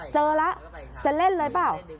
เจอแล้วจะเล่นเลยเปล่า